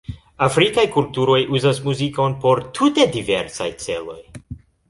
Afrikaj kulturoj uzas muzikon por tute diversaj celoj.